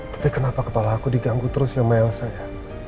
tapi kenapa kepala aku diganggu terus sama elsa ya